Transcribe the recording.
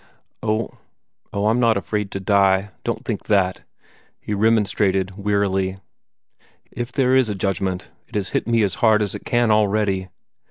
"Oh, I 'm not afraid to die; don't think that," he remonstrated wearily. "If there is a Judgment, it has hit me as hard as it can already.